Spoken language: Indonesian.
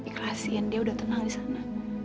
ikhlasin dia udah tenang di sana